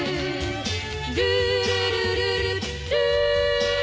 「ルールルルルルー」